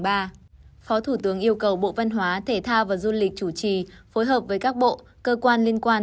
phó thủ tướng yêu cầu bộ văn hóa thể thao và du lịch chủ trì phối hợp với các bộ cơ quan liên quan